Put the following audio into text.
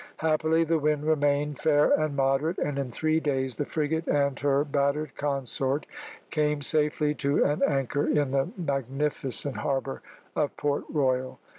Happily the wind remained fair and moderate, and in three days the frigate and her battered consort came safely to an anchor in the magnificent harbour of Port Royal.